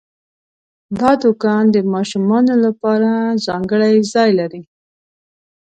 دا دوکان د ماشومانو لپاره ځانګړی ځای لري.